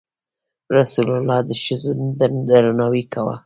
رسول الله د ښځو درناوی کاوه.